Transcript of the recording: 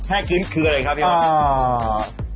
แฮกื้นคืออะไรครับนี่บ้าง